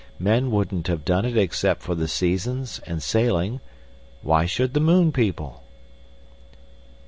Men wouldn't have done it except for the seasons and sailing; why should the moon people?...